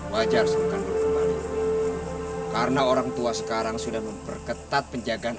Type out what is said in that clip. wajar surkan belum kembali karena orang tua sekarang sudah memperketat penjagaan